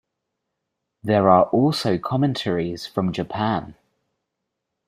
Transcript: There are also commentaries from Japan.